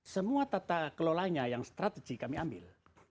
semua tata kelolanya yang strategi kami ambil